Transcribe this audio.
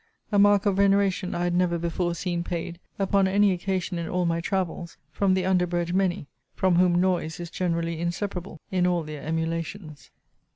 A mark of veneration I had never before seen paid, upon any occasion in all my travels, from the under bred many, from whom noise is generally inseparable in all their emulations.